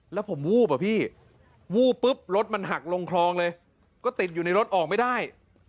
แล้วผมวูบอะพี่วูบปุ๊บรถมันหักลงคลองเลยก็ติดอยู่ในรถออกไม่ได้